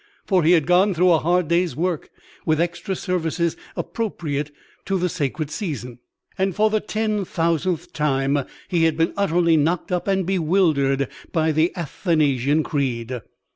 For he had gone through a hard day's work, with extra services appropriate to the sacred season; and for the ten thousandth time he had been utterly knocked up and bewildered by the Athanasian Creed.